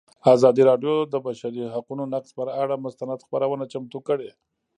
ازادي راډیو د د بشري حقونو نقض پر اړه مستند خپرونه چمتو کړې.